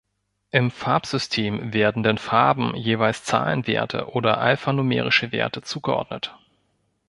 Im Farbsystem werden den Farben jeweils Zahlenwerte oder alphanumerische Werte zugeordnet.